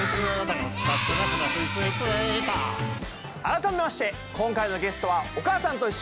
改めまして今回のゲストは「おかあさんといっしょ」